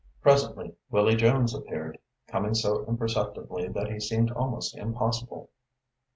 Presently Willy Jones appeared, coming so imperceptibly that he seemed almost impossible.